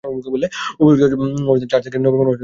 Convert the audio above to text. উপযুক্ত বাসস্থানে মার্চ থেকে নভেম্বর পর্যন্ত এদের দর্শন মেলে।